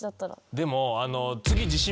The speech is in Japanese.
でも。